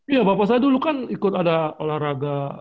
iya bapak saya dulu kan ikut ada olahraga